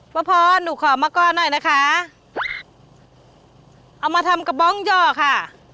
พ่อพรหนูขอมาก้อนหน่อยนะคะเอามาทำกระบองหย่อค่ะ